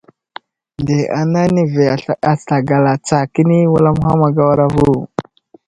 Nde ana nəvi asagala tsa kəni wulam ham agawara vo.